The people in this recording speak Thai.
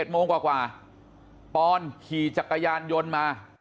โมงกว่าปอนขี่จักรยานยนต์มา